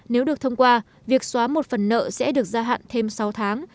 nếu được thông qua việc xóa một phần nợ sẽ được gia hạn thêm sáu tháng